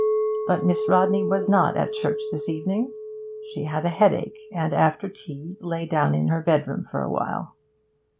But Miss Rodney was not at church this evening; she had a headache, and after tea lay down in her bedroom for a while.